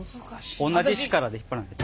同じ力で引っ張らないと。